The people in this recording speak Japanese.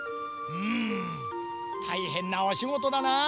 うんたいへんなおしごとだな。